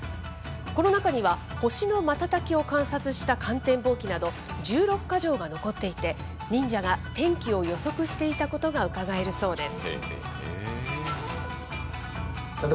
この中には、星の瞬きを観察した観天望気など、１６か条が残っていて、忍者が天気を予測していたことがうかがえるそうです。